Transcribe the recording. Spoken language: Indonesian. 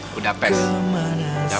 budapest kota daniel ya